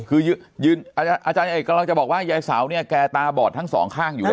คืออาจารย์เอกกำลังจะบอกว่ายายเสาเนี่ยแกตาบอดทั้งสองข้างอยู่แล้ว